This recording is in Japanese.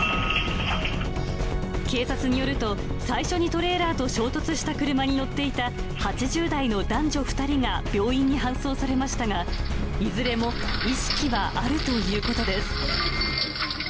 警察によると、最初にトレーラーと衝突した車に乗っていた、８０代の男女２人が病院に搬送されましたが、いずれも意識はあるということです。